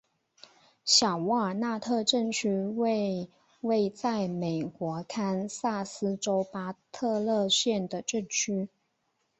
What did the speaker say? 小沃尔纳特镇区为位在美国堪萨斯州巴特勒县的镇区。